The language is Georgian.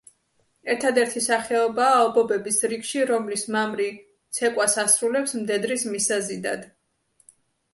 ერთადერთი სახეობაა ობობების რიგში, რომლის მამრი ცეკვას ასრულებს მდედრის მისაზიდად.